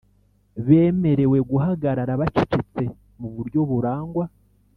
Bemerewe guhagarara bacecetse mu buryo burangwa